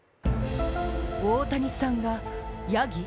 大谷さんがやぎ？